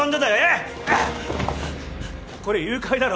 これ誘拐だろ。